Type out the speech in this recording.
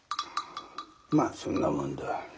まそんなもんだ。